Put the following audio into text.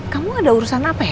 kamu ada urusan apa ya sama elsa